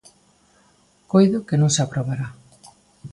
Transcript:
Coido que non se aprobará.